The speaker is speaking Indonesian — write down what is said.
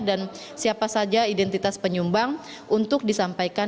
dan siapa saja identitas penyumbang untuk disampaikan